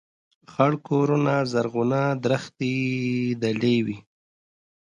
خړ کورونه زرغونې درختي دلې وې